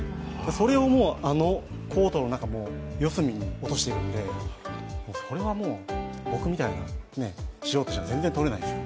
それをあのコートの中、四隅に落としているので、僕みたいな素人じゃ全然取れないです。